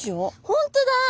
本当だ。